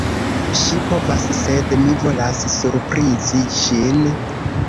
Ŝi povas, sed mi volas surprizi ŝin.